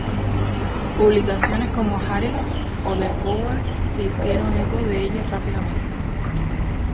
Publicaciones como "Haaretz" o "The Forward" se hicieron eco de ella rápidamente.